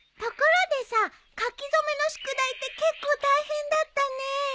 ところでさ書き初めの宿題って結構大変だったね。